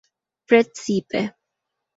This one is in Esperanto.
precipe